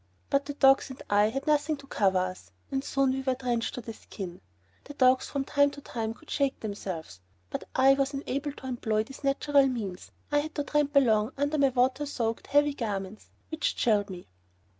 But the dogs and I had nothing to cover us, and soon we were drenched to the skin. The dogs from time to time could shake themselves, but I was unable to employ this natural means, and I had to tramp along under my water soaked, heavy garments, which chilled me.